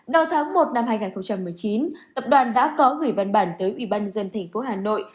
đầu tháng một năm hai nghìn một mươi chín tập đoàn đã có người văn bản tới ubnd tp hà nội